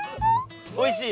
おいしい？